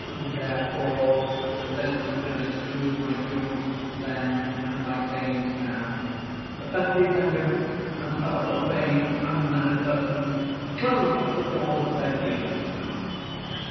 Therefore listen and excuse my doings then and my sayings now. But let the attendants and other profane and unmannered persons close up the doors of their ears.